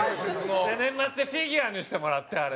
年末でフィギュアにしてもらってあれ。